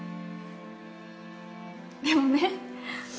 でもね